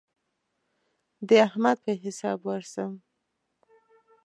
د احمد په حساب ورسم.